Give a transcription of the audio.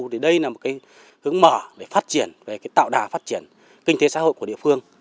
thì đây là một hướng mở để phát triển tạo đà phát triển kinh tế xã hội của địa phương